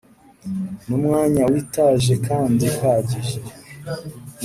n’umwanya witaje kandi uhagije